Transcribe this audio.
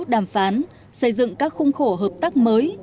đàm phán xây dựng các khung khổ hợp tác mới